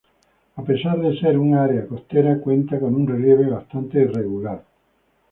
A pesar de ser un área costera cuenta con un relieve bastante irregular.